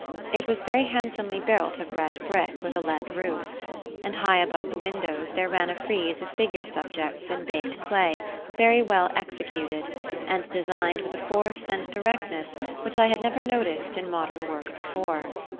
It was very handsomely built of red brick with a lead roof; and high up above the windows there ran a frieze of figure subjects in baked clay, very well executed, and designed with a force and directness which I had never noticed in modern work before.